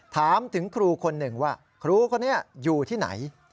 ถามถึงครูคนหนึ่งว่าครูคนนี้อยู่ที่ไหน